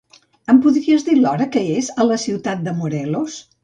Em podries dir l'hora que és a la ciutat de Morelos?